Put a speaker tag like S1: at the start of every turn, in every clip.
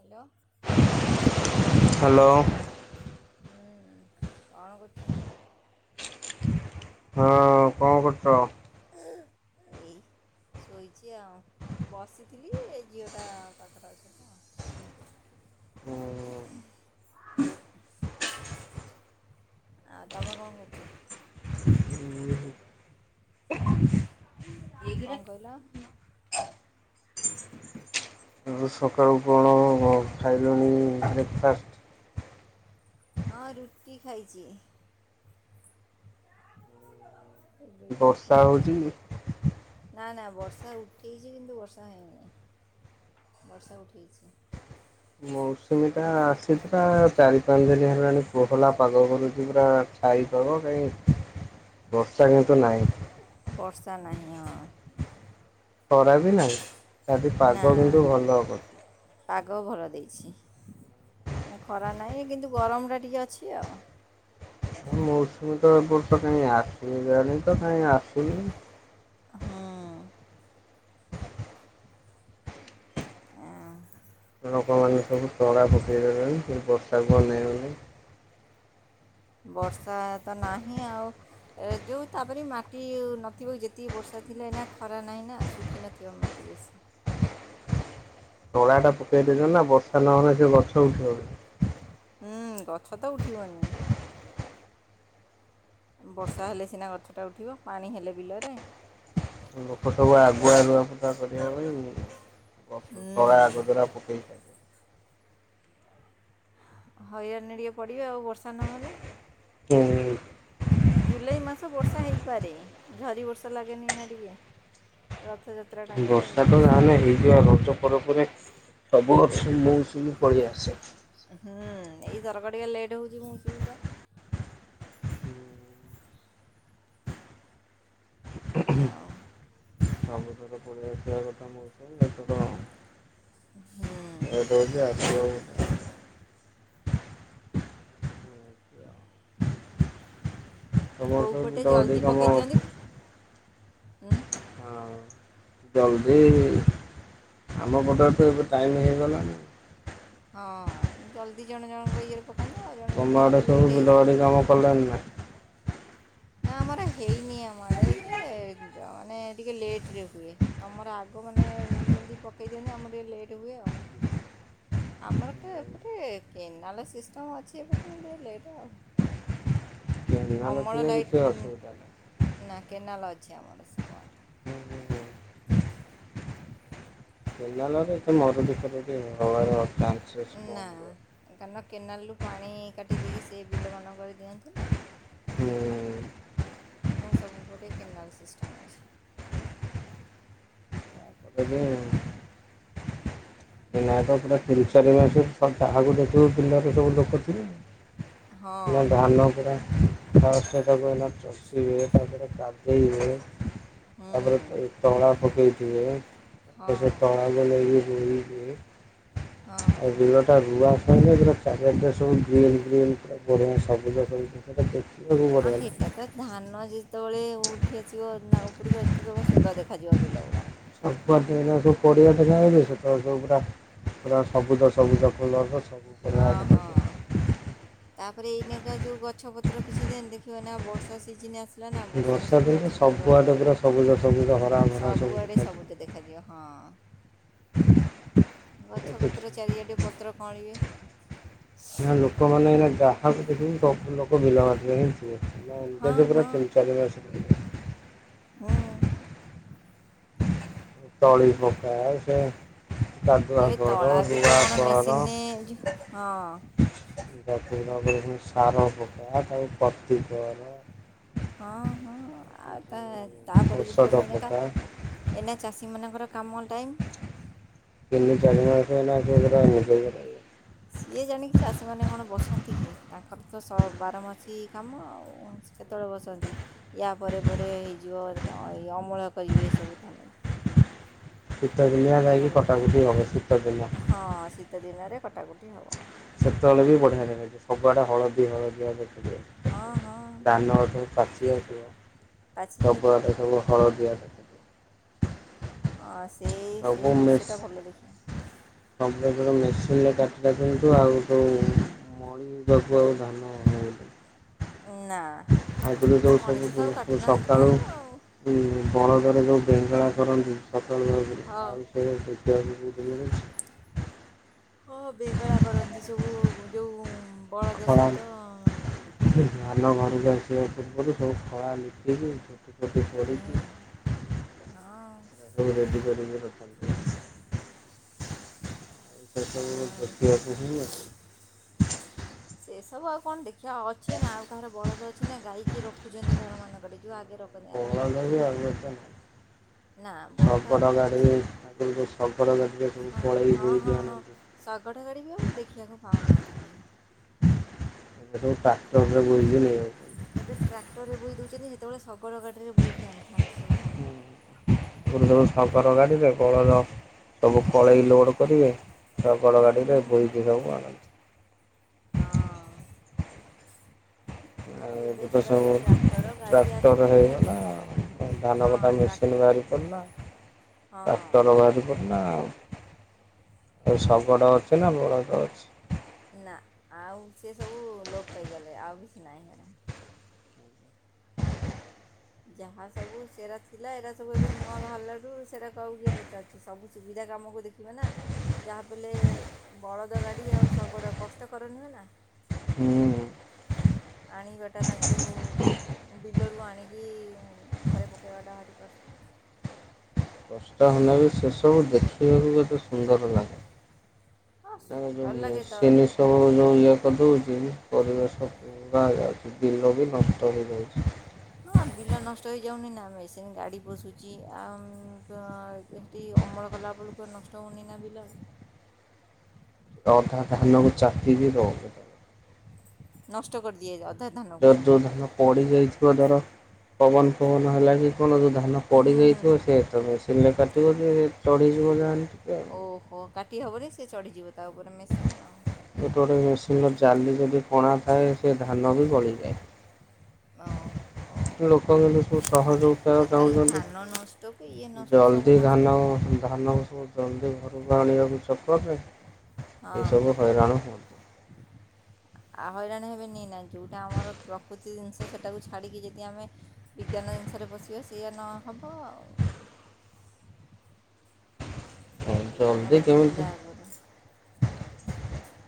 S1: Hello.
S2: Hello.
S1: ହୁଁ କଣ କରୁଛନ୍ତି?
S2: ହଁ କଣ କରୁଛ?
S1: ଏଇ ଶୋଇଚି ଆଉ। ବସିଥିଲି ଏଇ ଝିଅଟା ପାଖରେ ଅଛି ତ [inaudible]
S2: ହୁଁ।
S1: ଆ ତମେ କଣ କରୁଛ?
S2: [unintelligible]
S1: କଣ କହିଲ? [inaudible]
S2: ଆରୁ ସକାଳୁ କଣ, ଖାଇଲେଣି ବ୍ରେକଫାଷ୍ଟ୍?
S1: ହଁ, ରୁଟି ଖାଇଛି। ଏ ରୁଟି
S2: ବର୍ଷା
S1: ଖାଇ
S2: ହଉଛି।
S1: ଦେଇଛି, ନା ନା, ବର୍ଷା ଉଠି ଉଠେଇଛି, କିନ୍ତୁ ବର୍ଷା ହେଇନି, ବର୍ଷା ଉଠେଇଛି।
S2: ମୌସୁମୀ ଟା ଆସି ଥିଲା, ଚାରି ପାଞ୍ଚ ଦିନ ହେଲାଣି, କୋହଲା ପାଗ କରୁଛି ପୁରା। ଛାଇପାଗ କାହିଁ, ବର୍ଷା କିନ୍ତୁ ନାହିଁ।
S1: ବର୍ଷା ନାହିଁ, ହଁ।
S2: ଖରା ବି ନାହିଁ, ଖାଲି
S1: ନା
S2: ପାଗ କିନ୍ତୁ ଭଲ କରିଛି।
S1: ପାଗ ଭଲ ଦେଇଛି। ମାନେ ଖରା ନାହିଁ, କିନ୍ତୁ ଗରମଟା ଟିକେ ଅଛି ଆଉ।
S2: ମୌସୁମୀ ତ ଏବର୍ଷ କାଇଁ ଆସିନି ଜାଣି ତ, କାହିଁ ଆସନି।
S1: ହଁ।
S2: ଲୋକମାନେ ସବୁ ଚଳା ପକେଇ ଦେଲେଣି, ଏଇ ବର୍ଷାକୁ ଅନେଇ ଅନେଇ।
S1: ବର୍ଷା ତ ନାହିଁ ଆଉ, ଯୋଉ ତାପରେ ମାଟି ନଥିବ, ଯେତିକି ବର୍ଷା ଥିଲେ ନା ଖରା ନାହିଁ ନା, ଶୁଖି ନଥିବ ମାଟି ବେଶୀ।
S2: ନଳା ଟା ପକେଇଦଛ ନା, ବର୍ଷା ନହେଲେ ସେ ଗଛ ଉଠିବନି।
S1: ହୁଁ, ଗଛ ତ ଉଠିବନି। ବର୍ଷା ହେଲେ ସିନା ଗଛଟା ଉଠିବ, ପାଣି ହେଲେ ବିଲରେ।
S2: ଲୋକ ସବୁ ଆଗୁଆ, ଲୁଆ ଫଟା କରିବା ପାଇଁ ତଳା
S1: ହୁଁ
S2: ଆଗତୁରା ପକେଇ ଦେ
S1: ହଇରାଣ ଟିକେ ପଡ଼ିବେ ଆଉ, ବର୍ଷା ନହେଲେ।
S2: ହୁଁ।
S1: ଜୁଲାଇ ମାସ ବର୍ଷା ହେଇପାରେ, ଝରି ବର୍ଷା ଲାଗେନି ନା ଟିକେ। ରଥଯାତ୍ରା ଟାଇମ୍ରେ
S2: ବର୍ଷା ତ ଯାହେଲେ
S1: ହୁଏ
S2: ହେଇଯିବ, ରଜ ପରେ ପରେ ବହୁତ ମୌସୁମୀ ପଲେଇ ଆସେ।
S1: ହୁଁ, ଏଇଥରକ ଟିକେ ଲେଟ୍ ହଉଛି ମୌସୁମୀ ଟା। ଆଉ
S2: ସବୁଥରକ୍ ପଳେଇ ଆସିବା କଥା ମୌସୁମୀ ଏଥର ଲଟେ ହଉଚି ଆସିବାକୁ ବୋଧେ। ତମର
S1: କେଉଁ
S2: ସବୁ
S1: ପଟେ
S2: ବିଲ ବାଡ଼ି
S1: ଜଲ୍ଦି
S2: କାମ
S1: ପକେଇ ଦିଅନ୍ତି, ଉଁ
S2: ହଁ, ଜଲଦି ଆମ ପଟରେ ତ ଏବେ ଟାଇମ ହେଇଗଲାଣି।
S1: ହଁ, ଜଲଦି ଜଣ ଜଣଙ୍କ ଇଏରେ ପକାନ୍ତି ଆଉ ଜଣ
S2: ତମ
S1: ଜଣଙ୍କ
S2: ଆଡେ
S1: ଟିକେ ଲେଟ୍
S2: ସବୁ
S1: ହେଇଯାଏ
S2: ବିଲବାଡ଼ି କାମ କଲେଣିନା?
S1: ନା ଆମର ହେଇନି ଆମଡେ ଯେ, ମାନେ ଟିକେ ଲେଟ ରେ ହୁଏ, ତମର ଆଗ ଲୋକମାନେ, ଯେମିତି ପକାଇ ଦିଅନ୍ତି, ଆମର ଟିକେ ଲେଟ୍ ହୁଏ ଆଉ। ଆମର ତ୍ ଏପଟେ କେନାଲ ସିଷ୍ଟମ୍ ଅଛି ଏପଟେ ବ ଲେଟ ଆଉ।
S2: କେନାଲ ନା କିଛି?
S1: ନ୍ନ୍
S2: ଅସୁବିଧା
S1: ନା କେନାଲ୍ ଅଛି ଆମର ସବୁଆଡେ।
S2: ନାହିଁ। କେନାଲରେ ଏତେ ମରୁଡ଼ି ଫରୁଡ଼ି ହବାର ଚାନ୍ସେସ୍
S1: ନା
S2: କମ୍ ରୁହେ।
S1: କାରଣ କେନାଲ ରୁ ପାଣି କାଟି ଦେଇେକି ସେ ବିଲ ମାନଙ୍କରେ ଦିଅନ୍ତି ନା
S2: ହୁଁ।
S1: ଆମର ସବୁପଟେ କେନାଲ ସିଷ୍ଟମ୍ ଅଛି।
S2: ହବ ଆଉ। ନା ତ ପୁରା ତିରିଶ ଚାରି ମାସବ ଯାହାକୁ ଦେଖିବୁ ବିଲରେ ସବୁ ଲୋକ
S1: ହଁ
S2: ଥିବେ। ଧାନ ପୁରା ଫାଷ୍ଟେ ତାକୁଏଇନା ଚଷିବେ ତାପରେ କାଦୁ ପକେଇବେ
S1: ହୁଁ
S2: ତାପରେ ଚଳା ପକେଇଥିବେ। ତାପଛ
S1: ହଁ
S2: ତଳା ଦ ନେଇି ବୁ
S1: ହଁ
S2: ଏ ବିଲ ଟା ରୁଆ ସାଇଲେ ଚାରିଆଡ଼େ ସବୁ ଗ୍ରୀନି ଗ୍ରୀନି। ଵଡିଆ ସବୁଜ ସବୁ ସେଟା ଦେଖିବାକୁ ନଡିଆ।
S1: କେତେବେଳେ ଉଠି ଆସିବ ନା ଉପରକୁ ଏତେ ତ ସୁନ୍ଦର ଦେଖାଯିବ ବିଲଗୁଡ଼ା।
S2: ସବୁ ଆଡେ ଏଇନା ପଡିଆ ଦେଖା ଯାଉଛି ସେତବେଳେ ପୂରା ପୁରା ସବୁଜ ସବୁଜ ଫୁଲର ସ
S1: ହଁ ହଁ। ତାପରେ ଏଇନେକା ଯେଉଁ ଗଛପତ୍ର କିଛି ଦେଖିବ ନା ବର୍ଷା ସିଜନ୍ ଆସ
S2: ବର୍ଷା ଦିନ ସବୁଆଡେ ପୁରା ସବୁଜ ସବୁଜ ହରା ଭରା ସବୁ
S1: ସବୁଆଡେ ସବୁଜ ଦେଖାଯିବ ହଁ।
S2: ଦେଖାଯାଉଛି
S1: ଗଛପତ୍ର ଚାରିଆଡ଼େ ପତ୍ର କ ଅଁଲିବେ।
S2: ନା ଲୋକମାନେେ ଏଇ ଗ୍ରାହକ ଦେଖିକି ସବୁ ଲୋକ ବିଲ ବାିଦିରେ ହିଁ ଥିବେ। ହୁ
S1: ହଁ
S2: ଜେଜେ ପୁରା
S1: ହଁ
S2: ତିନି ଚାରିମସେ।
S1: ହୁ।
S2: ତଳି। ବୋକ ସେ କାଦୁଆ
S1: ଏବେ
S2: କର
S1: ତଳା ବି ତ
S2: ରୁଆ
S1: କ'ଣ
S2: କର।
S1: ମେସିନରେ ହଁ
S2: ସାର ପକା ତାକୁ କତୀ କର।
S1: ହଁ ହଁ ଆଉ ତା ତାପରେ
S2: ଔଷଧ
S1: ଉପରେ ଏନକା
S2: ପକା
S1: ଏନା ଚାଷୀ ମାନଙ୍କର। କାମ ଟାଇମ୍।
S2: ତିନି ଚାରି ମସେ ହେଲା ସେ ପରା
S1: ସିଏ ଜାଣିକି ଚାଷୀମାନେ କଣ ବସନ୍ତି କି ତାଙ୍କର ତ ବାରମାସୀ କାମ ଆଉ। କେତେବେଳେ ବସନ୍ତି ୟା ପରେ ପରେ ହେଇଯିବ ଏଇ ଅମଳ କରିବେ ଏସବୁ ଧଆନ।
S2: ଶୀତ ଦିନିଆ ଯାଇକି
S1: ପରେ
S2: କଟାକଟି ହବ ଶୀତ ଦିନିଆ।
S1: ଆଉ।
S2: ସେତେବେଳେ ବି ବଢିଆ ସବୁଆଡେ ହଳଦୀ ହଳଦୀଆ।
S1: ହଁ ହଁ
S2: ଧାନ ଗଛ ପାଚି ଆସିବ।
S1: ପାଚି
S2: ସବୁ
S1: ଯାଇଥିବ
S2: ଆଡେ ସବୁ ହଳଦିଆ। ଦେଖାଯିବ
S1: ହଁ ସେଇ ସେଇ ଦୃଶ୍ୟଟା ଭଲ ଦେଖିବା।
S2: ସମ୍ପ୍ରକର ମେସିନରେ କାଟି ରାଖନ୍ତୁ ଆଉ ଯେଉଁ ପଣି ଯିବାକୁ ଆଉ ଧାନ ଅଣାଇଲେ [unintelligible]
S1: ନା
S2: ଆାଇଗଲ ଯ
S1: ମଣିଷ ତ ଆଉ
S2: ସବୁ
S1: କାଟୁନାହାନ୍ତି ଧାନ
S2: ସକାଳୁ।
S1: ଆଉ
S2: ବଳଦରେ ଯେଉଁ ବେଙ୍ଗଳା କରନ୍ତି ସକାଳ ଭାବରେ
S1: ହଁ
S2: ଆଉ ସେଇ ଜ [unintelligible]
S1: ହଁ ବେଗଳା କରନ୍ତି ସବୁ ଯୋଉ ବଳଦ ସହିତ। [unintelligible]
S2: ଘର କୁ ଆସିବା ପୂର୍ବରୁ ସବୁ ଖଳା ଲିପିଇକି [unintelligible] ଝୋଟି କରିକି ସବୁ ରେଡ଼ି କରିକି ଟଖି଼ ଥିବେ।
S1: [inaudible] ଆଉ
S2: ଦେଖିବାକୁ ଶ [unintelligible]
S1: ଏସବୁ ଆଉ କଣ ଦେଖିବା ଅଛି ନା ଆଉ କାହାର ବଳଦ ଅଛି ନା ଗାଇକି ରଖୁଛନ୍ତି ଘର ମାନଙ୍କରେ ଯୋଉଗ ଆଗେ ରଖନି ଆ ଆଉ ରଖୁଛନ୍ତି ନାଇଁ କି?
S2: ସବଡ ଗାଡିରେ ସବଡ ଗାଡିରେ [inaudible]
S1: ହଁ ହଁ ହଁ ହଁ ଶଗଡ଼ ଗାଡିବି ଆଉ ଦେଖିବାକୁ ପାଉନାହାନ୍ତି କେଇ
S2: ଏବେ ଯୋଉ ଟ୍ରାକ୍ଟର ମିଳୁଚି ନେଇ ଆଇ
S1: ଏବେ ଟ୍ରାକ୍ଟରରେ ବୋହି ଦେଉଛନ୍ତି ସେତେବେଳେ ଶଗଡ଼ ଗାଡ଼ିରେ ବୋହିକି ଆଣିଥାନ୍ତି ସବୁ ଧାନ।
S2: ବୁ ସଫର ଗାଢିବେ କଳର ସବୁ କଳେଇ ଲୋଡ କରିବେ ଶଗଡ଼
S1: ହୁଁ
S2: ଗାଡିରେ
S1: ହୁଁ
S2: ବୋହୀକି ସବୁ ଆଣନ୍ତି।
S1: ହଁ
S2: ଆଉ ଏବେ ତ
S1: ସେଟା
S2: ସବୁ
S1: ଟ୍ରାକ୍ଟର ଗାଡ଼ି
S2: ଟ୍ରାକ୍ଟର
S1: ଆସିଲାଣି ହାରି
S2: ହେଇଗଲା। ଧାନ କଟା
S1: ହଁ
S2: ମେସିନ୍
S1: ଟ୍ରାକ୍ଟର ହଁ
S2: ବାହାରି ପଡ଼ିଲା ଟ୍ରାକ୍ଟର ବାହାରି ପଡ଼ିଲା ଆଉ ଆଉ ଶଗଡ ଅଛି ନା ବଳଦ ଅଛି
S1: ନା ଆଉ ସେ ସବୁ ଲୋପ ପାଇଗଲେ ଆଉ କିଛି ନାହିଁ ହେନା
S2: [inaudible]
S1: ଯାହା ସବୁ ସେରା ଥିଲା ଏରା ସବୁ ଏବେ ନୂଆ ବାହାରିଲାରୁୁ ସେରା କ କିଏ ପଚାରୁଛି ସବୁ ସୁବିଧା କାମକୁ ଦେଖିବେ ନା ଯାହା ବି ହେଲେ ବଳଦ ଗାଡ଼ି ଆଉ ଶଗଡ଼ କଷ୍ଟକର ନୁହେଁ ନା?
S2: ହୁଁ
S1: ଆଣିବାଟା ତାକୁ ଉଁ ବିଲରୁ ଆଣିକି ଉଁ ଘରେ ପକେଇବାଟା ଭାରି କଷ୍ ଉଁ
S2: କଷ୍ଟ ହେଲେ ବି ସେସବୁ ଦେଖିବାକୁ କେତେ ସୁନ୍ଦର ଲାଗେ।
S1: ହଁ
S2: ନାଇଁ
S1: ସୁନ୍ଦର
S2: ଯୋଉ
S1: ଲାଗେ ତ
S2: ମେସିନ୍ ସବୁ ଯୋଉ ଇଏ କରିଦଉ ଇଏ ବି ପରିବେଶ ପୁରା ଯାଉଚି ବିଲ ବି ନଷ୍ଟ ହେଇଯାଉଚି।
S1: ହ [inaudible] ହଁ ବିଲ ନଷ୍ଟ ହେଇଯାଉନି ନା ମେସିନ୍ ଗାଡ଼ି ପସୁଚି ଆ ଉମ୍ ତ ଏଟି ଅମ ର କଲାବେଳୁକୁ ନଷ୍ଟ ହୋଉନେଇ ନା ବିଲ?
S2: ଆ ଅଧା ଧାନକୁ ଚାପି ଯିବ ସେଟା।
S1: ନଷ୍ଟ କରଦିଏ ଯଅ
S2: ତ ଯୋଉ ଧାନ ପଡ଼ି ଯାଇଥିବ ଧର ପବନ ଫବନ ହେଲା କି କଣ ଯୋଉ ଧାନ
S1: ହୁଁ ହୁଁ ହୁଁ
S2: ପଡ଼ିଯାଇଥିବ ସିଏ ତ ମେସିନ୍ ରେ କାଟିବ ଯେ ଚଢ଼ିଯିବ ଯାହେନେ।
S1: ଓହୋ କାଟି ହବନି ସେ ଚଢ଼ିଯିବ, ତା ଉପରେ ମେସିନ୍ ଆଉ
S2: ଙ୍ଗ ଜାଲି ଯଦି କଣା ଥାଏ ସେ ଧାନ ବି ଗଳିଯାଏ।
S1: ହ।
S2: ଲୋକ ମାନେ ସବୁ ସହଜ ଉପାୟ
S1: ତାହେଲେ
S2: ଚାହୁଁଛନ୍ତି।
S1: ଧାନ ନଷ୍ଟକୁ ଇଏ ନଷ୍ଟ ସବୁ
S2: ଜଲଦି
S1: ନଷ୍ଟ
S2: ଧାନ,
S1: ହୁଏ
S2: ଧାନ ସବୁ ଜଲଦି ଘରକୁ ଆଣିବାକୁ ଚକରରେ
S1: ହଁ
S2: ଏସବୁ ହଇରାଣ ହୁଅନ୍ତୁ।
S1: ଆ ହଇରାଣ ହେବେ ନି ନାହିଁ ଯଉଁଟା ଆମର ପ୍ରକୃତି ଜିନିଷ ସେଇଟାକୁ ଛାଡ଼ିକି ଯଦି ଆମେ ବିଜ୍ଞାନ ସି ଜିନିସ ରେ ପଶିବ ସେୟା ନ ହବ ଆଉ। ଯେଉଁଟା ଆମର
S2: ଜଲ୍ଦି
S1: ଥିଲା
S2: କେମିତି
S1: ଆଗରୁ।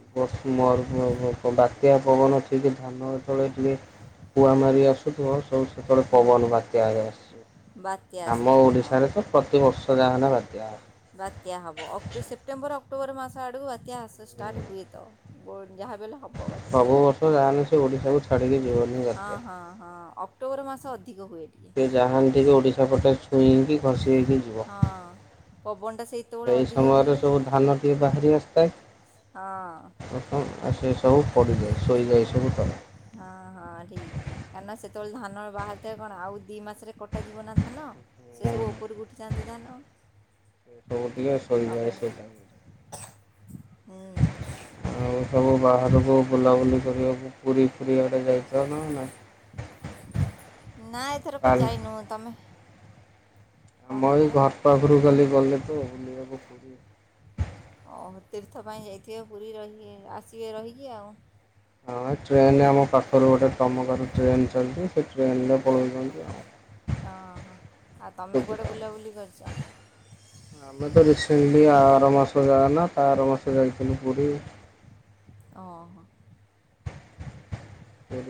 S2: [unintelligible] ବାତ୍ୟା ପବନ ଠିକ ଧାନ ତଳେ ଟିକେ କୁଆ ମାରି ଆସୁ ଥିବ। ସବୁ ସେତେବେଳେ ପବନ ବାତ୍ୟା ଆସଚି,
S1: ବାତ୍ୟା
S2: ଆମ
S1: ଆସିଯିବ ହଁ
S2: ଓଡ଼ିଶାରେ ତ ପ୍ରତିବର୍ଷ ଯାହାହଲେ ବାତ୍ୟା।
S1: ବାତ୍ୟା ହବ ଅକ୍ଟ ସେପ୍ଟେମ୍ବର ଅକ୍ଟୋବର ମାସ ଆଡକୁ ବାତ୍ୟା ଷ୍ଟାର୍ଟ ହୁଏ ତ। ଯାହା ବି ହେଲେ ହେବ ବାତ୍ୟାଟା
S2: ସବୁ ବର୍ଷ ଯାହା ସେ ଓଡିଶା କୁ ଛାଡିକି
S1: ହଁ ହଁ ହଁ ଅକ୍ଟୋବର ମାସ ଅ
S2: ସେ ଜାହାଣ୍ନ୍ତିରେ ଓଡ଼ିଶା ପଟେ ଛୁଇଁକି ଘସି ହେଇକି ଯିବ।
S1: ହଁ ପବନଟା ସେତେବେଳେ
S2: ଏଇ
S1: ଅଧିକ ହୁଏ
S2: ସମୟରେ ସବୁ ଧାନ ଟିକେ ବାହାରି ଆସିଥାଏ।
S1: ହଁ
S2: ଆଉ ସେ ସବୁ ପଡ଼ିଯାଏ ଶୋଇଯାଏ ସବୁ ତଳେ।
S1: [inaudible] ହଁ ହଁ ଠିକ କାହିଁକି ନା ସେତେବେଳେ ଧାନ ବାହାରିଥା ଏ କଣ ଆଉ ଦି ମାସରେ କଟା ଯିବ ନା ଧାନ। ସେ ସବୁ ଉପରକୁ ଉଠି ଯାଆନ୍ତି ଧାନ।
S2: ଏ ସବୁ ଟିକେ ଶୋଇଯାଏ ସେଟା।
S1: ହୁ
S2: ଆଉ ସବୁ ବାହାରକୁ ବୁଲାବୁଲି କରିବାକୁ ପୁରୀ ପୁରୀ ଆଡ଼େ ଯାଇ ଜଣ ନା
S1: ନା ଏଥରକ
S2: କାଲି
S1: ଯାଇନୁ ତମେ
S2: ହ
S1: କ'ଣ
S2: ମ ଏଇ
S1: କହିଲେ
S2: ଘର ପାଖରୁ କାଲି ଗଲେ ତ ବୁଲିବାକୁ।
S1: ଓ ତୀର୍ଥ ପାଇଁ ଯାଇଥିବେ ପୁରୀ ରହିବେ ଆସିବେ ରହିକି ଆଉ।
S2: ହଁ ଟ୍ରେନ ଆମ ପାଖରୁ ଗୋଟେ ତମକାର ଟ୍ରେନ ଚାଲିଛି ସେ ଟ୍ରେନରେ ପଳଉଛନ୍ତି ଆ
S1: ଓହୋ ଆଉ ତମେ କୁଆଡ଼େ ବୁଲାବୁଲି କରିଛ।
S2: ଆମେ ତ ରିସେଣ୍ଟଲି ଆର ମାସ ଯାନ ତ ଆର ମାସ ଯାଇଥିଲୁ ପୁରୀ।
S1: ଓ ହୋ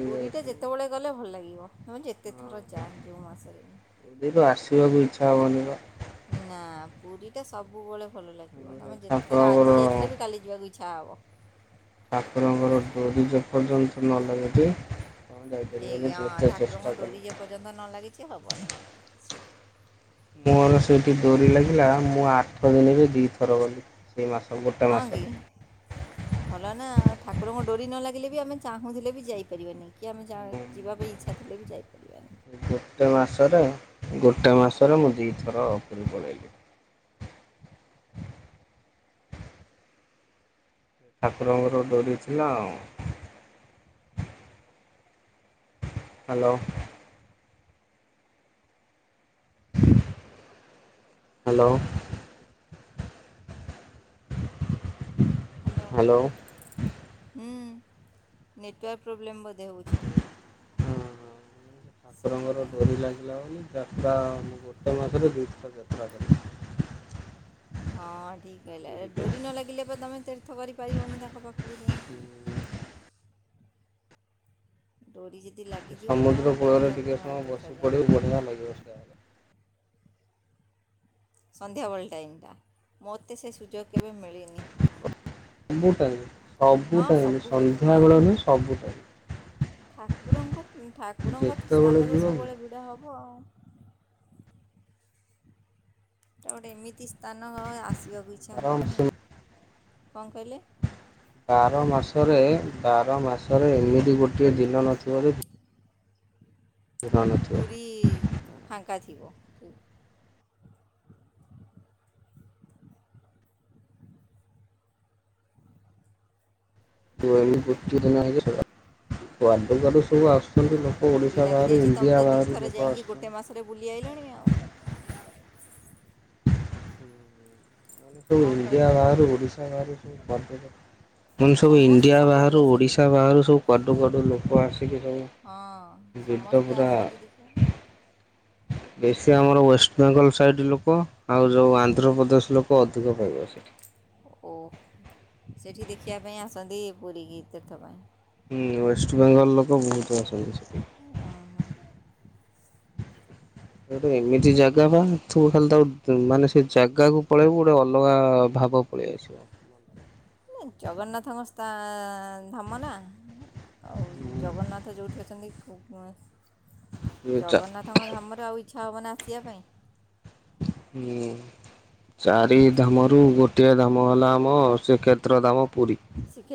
S1: ପୁରୀ ଟା ଯେତେବେଳେ ଗଲେ ଭଲ ଲାଗିବ। ହ ଯେତେ ଥର ଯା
S2: ହଁ
S1: ଜଉ ମାଶରେ।
S2: ପୁରୀରୁ ଆସିବାକୁ ଇଚ୍ଛା ହବନି ବା।
S1: ନା ପୁରୀ ସେଟା ସବୁବେଳେ ଭଲ ଲାଗିବ ତମେ
S2: ଠାକୁରଙ୍କର
S1: ଯେତେଥର ଆଜି ଯାଇଥିଲେ ବି କାଲି ଯିବାକୁ ଇଚ୍ଛା ହବ।
S2: ଠାକୁରଙ୍କର ଡୋରି ଯେପର୍ଯ୍ୟନ୍ତ ନଲାଗିଚି ଆ
S1: ଠିକ୍
S2: ଯାଇପାରିବନି
S1: ହଁ
S2: ଯେତେ
S1: ଠାକୁରଙ୍କ
S2: ଚେଷ୍ଟା
S1: ଡୋରି ଯେ ପର୍ଯ୍ୟନ୍ତ ନ ଲାଗିଛି
S2: କଲେ।
S1: ହେବନି
S2: ମୋର ସେଇଠି ଡୋରି ଲାଗିଲା ମୁଁ ଆଠ ଦିନରେ ଦିଥର ଗଲି। ଦି ମାସ ଗୋଟେ
S1: ହଁ କି
S2: ମାସରେ।
S1: ଭଲ ନା ଆଉ ଠାକୁରଙ୍କ ଡୋରି ନ ଲାଗିଲେ ବି ଆମେ ଚାହୁଁଥିଲେ ବି ଯାଇପାରିବାନି। କି ଆମେ ଯା ଯିବା ପାଇଁ ଇଚ୍ଛା ଥିଲେ ବି ଯାଇପାରିବାନି।
S2: ଗୋଟେ ମାସରେ ଗୋଟେ ମାସରେ ମୁଁ ଦିଥର ପୁରୀ ପଳେଇଲି। ଠାକୁରଙ୍କର ଡୋରି ଥିଲା ଆଉ। ହ୍ୟାଲୋ ହ୍ୟାଲୋ
S1: [inaudible] ହ୍ୟାଲୋ ହୁଁ ନେଟୱାର୍କ ପ୍ରୋବ୍ଲେମ ବୋଧେ ହଉଛି ଟିକେ।
S2: ଠାକୁରଙ୍କର
S1: ସେଥିପାଇଁ
S2: ଡୋରି ଲାଗିଲା ବୋଲି। ଯାତ୍ରା ଗୋଟେ ମାସରେ ଦୁଇଥର ଯାତ୍ରା କଲି।
S1: ହଁ ଠିକ୍ କହିଲ ଏ ଡୋରି ନ ଲାଗିଲେ ବା ତମେ ତୀର୍ଥ କରିପାରିବନି ତାଙ୍କ ପାଖକୁ ଯାଇକି। [inaudible] ଡୋରି ଯଦି ଲାଗିଯିବ
S2: ସମୁଦ୍ର
S1: ତୀର୍ଥ
S2: କୂଳରେ ଟିକେ ସମୟ
S1: ତୀର୍ଥ
S2: ବସି
S1: ଯାଇକି
S2: ପଡି
S1: ଯିବ
S2: ବଢିଆ ଲାଗିବ [unintelligible]
S1: ସନ୍ଧ୍ୟାବେଳେ ଟାଇମ୍ ମୋତେ ସେ ସୁଯୋଗ କେବେ ମିଳିନି
S2: ସବୁ ଟାଇମ୍ ସବୁ
S1: ହଁ
S2: ଟାଇମ୍
S1: ସବୁବେଳେ ହଁ
S2: ସନ୍ଧ୍ୟାବେଳ
S1: ହଁ
S2: ନୁହଁ। ସବୁ ଟାଇମ୍।
S1: ଠାକୁରଙ୍କ ଠାକୁରଙ୍କ
S2: ଯେତେବେଳେ
S1: ସ୍ଥାନ ତ
S2: ଯିବ
S1: ସବୁବେଳେ ଭିଡ଼ ହ ହଁଉ ଏଟା ଗୋଟେ ଏମିତି ସ୍ଥାନ ଆସିବାକୁ ଇଚ୍ଛା
S2: ବାର
S1: ହବନି।
S2: ମାସ
S1: କଣ କହିଲେ
S2: ବାର ମାସରେ ବାର ମାସରେ ଏମିତି ଗୋଟିଏ ଦିନ ନଥିବାରୁ
S1: ପୁରୀ ଫାଙ୍କା ଥିବ।
S2: [unintelligible]
S1: ଆଉ ତମ
S2: ଲୋକ
S1: ତ ଡୋରି
S2: ଓଡିଶା ବାହାରୁ
S1: ଲାଗିଯାଇଛି ତୁମେ
S2: ଇଣ୍ଡିଆ
S1: ତ
S2: ବାହାରୁ
S1: ଦୁଇଥର
S2: ଲୋକ
S1: ଯାଇକି ଗୋଟେ
S2: ଆସୁଛନ୍ତି।
S1: ମାସରେ ବୁଲି ଆଇଲଣି ଆଉ। [inaudible]
S2: ସବୁ
S1: କ'ଣ
S2: ଇଣ୍ଡିଆ
S1: କହିଲେ
S2: ବାହାରୁ ଓଡ଼ିଶା ବାହାରୁ ସବୁ ପର୍ଜଟକ ମାନ ସବୁ
S1: ସମସ୍ତେ
S2: ଇଣ୍ଡିଆ
S1: ସବୁଆଡ଼ୁ
S2: ବାହାରୁ
S1: ଆସନ୍ତି
S2: ଓଡିଶା ବାହାରୁ ସବୁ କୁଆଡୁ କୁଆଡୁ ଲୋକ ଆସ
S1: ହଁ ସମସ୍ତେ ଆସନ୍ତି ଦେଖିବାକୁ
S2: ବେଶୀ ଆମର ୱେଷ୍ଟ ବେଙ୍ଗଲ ସାଇଡ ଲୋକ ଆଉ ଯୋଉ
S1: ହୁଁ
S2: ଆନ୍ଧ୍ରପ୍ରଦେଶ ଲୋକ [unintelligible]
S1: ଓ ସେଠି ଦେଖିବା ପାଇଁ ଆସନ୍ତି ପୁରୀ କୀ ତୀର୍ଥ ପାଇଁ
S2: ହୁଁ ୱେଷ୍ଟବେଙ୍ଗଲ୍ ଲୋକ ବହୁତ ଆସନ୍ତି।
S1: ଅହ
S2: ଗୋଟେ ଏମିତି ଜାଗା ବା ତୁ ଖାଲି ତ ମାନେ ସେ ଜାଗାକୁ ପଳେଇବୁ ଗୋଟେ ଅଲଗା ଭା ଆବା ପଳେଇ ଆସିବ।
S1: [inaudible] ଜଗନ୍ନାଥଙ୍କ ସ୍ଥା ଧାମନା ଆଉ ଜଗନ୍ନାଥ ଯେଉଁଠି ଅଛନ୍ତି କୌଣସି
S2: ଚା
S1: ଜଗନ୍ନାଥଙ୍କ ଧାମରେ ଆଉ ଇଚ୍ଛା ହବନା ଆସିବା ପାଇଁ
S2: ହୁଁ। ଚାରି ଧାମରୁ ଗୋଟିଏ ଧାମ ହେଲା ଆମ ଶ୍ରୀକ୍ଷେତ୍ର ଧାମ ପୁରୀ।
S1: ଶ୍ରୀକ୍ଷେତ୍ର